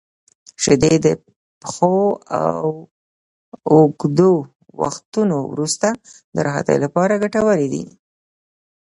• شیدې د پښو د اوږدو وختونو وروسته د راحتۍ لپاره ګټورې دي.